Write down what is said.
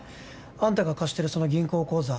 あんたが貸してるその銀行口座